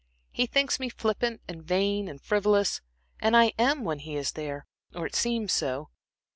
He thinks me flippant, and vain, and frivolous, and I am when he is there, or I seem so.